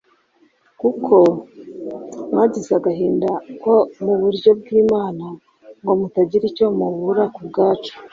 kuko mwagize agahinda ko mu buryo bw’Imana ngo mutagira icyo mubura ku bwacu.